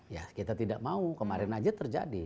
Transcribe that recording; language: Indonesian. ya kita tidak mau kemarin aja terjadi